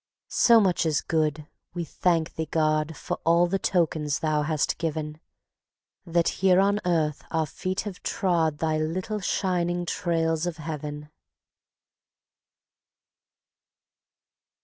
So much is good. ... We thank Thee, God, For all the tokens Thou hast given, That here on earth our feet have trod Thy little shining trails of Heaven.